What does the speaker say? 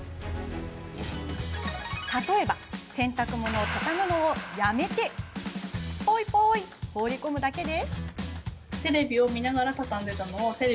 例えば、洗濯物をたたむのをやめぽいぽい放り込むだけで。